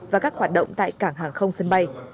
và các hoạt động tại cảng hàng không sân bay